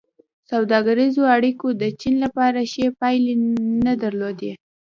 سوداګریزو اړیکو د چین لپاره ښې پایلې نه درلودې.